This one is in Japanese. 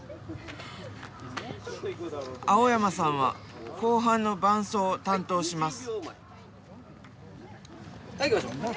青山さんは後半の伴走を担当します。